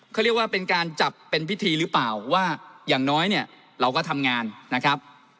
เขาเรียกว่าเป็นการจับเป็นพิธีหรือเปล่าว่าอย่างน้อยเนี่ยเราก็ทำงานนะครับ